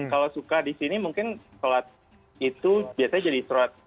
kalau suka di sini mungkin sholat itu biasanya jadi sholat